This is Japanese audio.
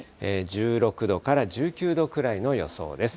１６度から１９度くらいの予想です。